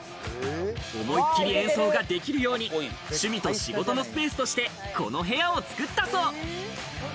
思いっきり演奏ができるように趣味と仕事のスペースとして、この部屋を作ったそう。